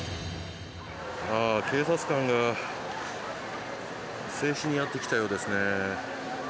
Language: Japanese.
警察官が制止にやってきたようですね。